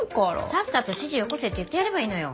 さっさと指示よこせって言ってやればいいのよ。